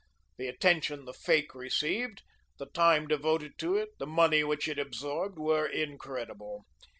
The attention the Fake received, the time devoted to it, the money which it absorbed, were incredible.